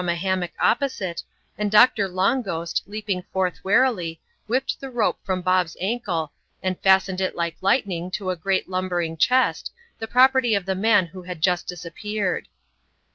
43 a hammock opposite, and Doctor Long Ghost, leaping^ forth warily, whipped the rope from Bob's ankle, and fastened it like lightning to a great lumbering chest, the property of the man who had just disappeared.